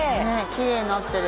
きれいになってる。